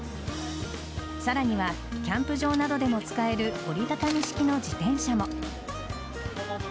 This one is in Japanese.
さらにはキャンプ場などでも使える折り畳み式の自転車も。